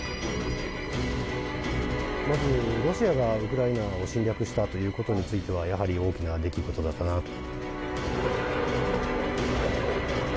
まずロシアがウクライナを侵略したということについては、やはり大きな出来事だったなと。